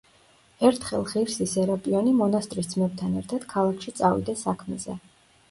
ერთხელ ღირსი სერაპიონი მონასტრის ძმებთან ერთად ქალაქში წავიდა საქმეზე.